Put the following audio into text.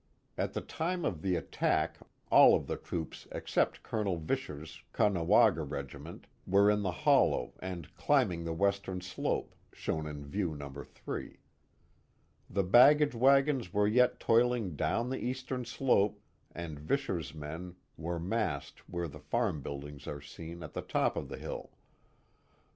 At the time of the attack all of the troops except Colonel Visscher's Caughnawaga regiment were in the hollow and climbing the western slope, shown in view No. 5. The baggage wagons were yet toiling down the eastern slope and Visscher's men were massed where the farm buildings are seen at the top of the hill.